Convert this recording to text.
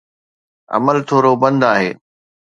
عمل ٿورو بند آهي.